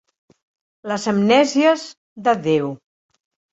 Les amnèsies de Déu.